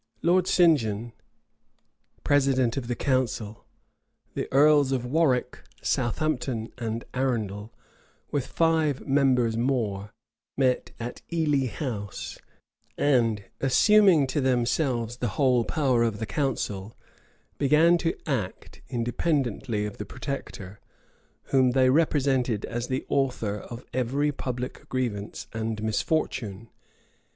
Lord St. John president of the council, the earls of Warwick, Southampton and Arundel, with five members more, met at Ely House and, assuming to themselves the whole power of the council, began to act independently of the protector, whom they represented as the author of every public grievance and misfortune.